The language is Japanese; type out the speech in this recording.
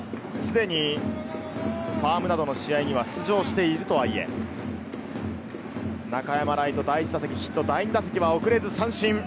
すでにファームなどの試合には出場しているとはいえ、中山礼都、第１打席はヒット、第２打席は送れず、三振。